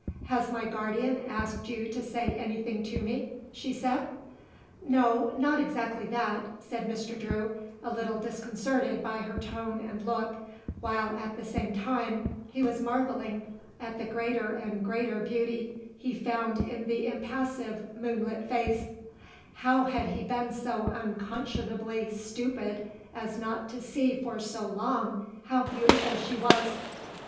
"Has my guardian asked you to say anything to me?" she said. "No, not exactly that," said Mr. Drew, a little disconcerted by her tone and look, while at the same time he was marvelling at the greater and greater beauty he found in the impassive moonlit face how had he been so unconscionably stupid as not to see for so long how beautiful she was!